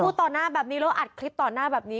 ต่อหน้าแบบนี้แล้วอัดคลิปต่อหน้าแบบนี้